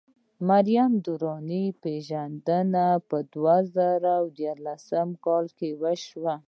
د مریم درانۍ پېژندنه په دوه زره ديارلسم کال کې وشوه.